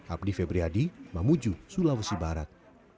abdi febriadi mamuju sulawesi barat